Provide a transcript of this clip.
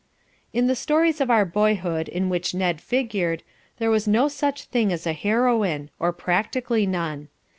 '" In the stories of our boyhood in which Ned figured, there was no such thing as a heroine, or practically none.